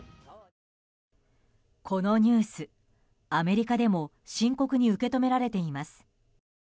このニュース、アメリカでも深刻に受け止められています。